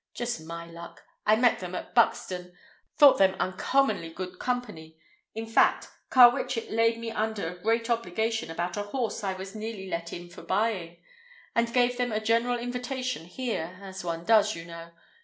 Just my luck. I met them at Buxton, thought them uncommonly good company—in fact, Carwitchet laid me under a great obligation about a horse I was nearly let in for buying—and gave them a general invitation here, as one does, you know.